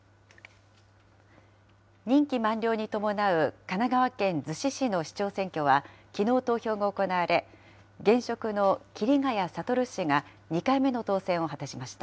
任期満了に伴う神奈川県逗子市の市長選挙は、きのう投票が行われ、現職の桐ケ谷覚氏が２回目の当選を果たしました。